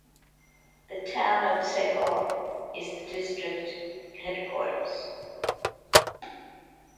The town of Sehore is the district headquarters.